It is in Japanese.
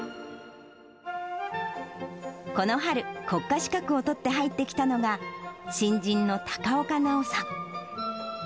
この春、国家資格を取って入ってきたのが、新人の高岡奈央さん。